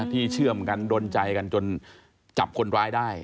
เชื่อมกันดนใจกันจนจับคนร้ายได้